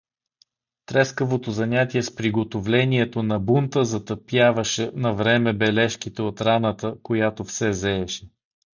Трескавото занятие с приготовлението на бунта затъпяваше навреме бележките от раната, която все зееше.